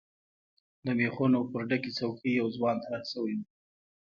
له ميخونو پر ډکې څوکی يو ځوان تړل شوی و.